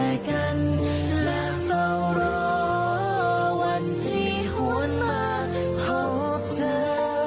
ได้นะพ่อของข้า